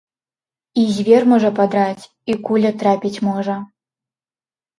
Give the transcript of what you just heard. І звер можа падраць, і куля трапіць можа.